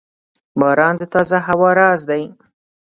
• باران د تازه هوا راز دی.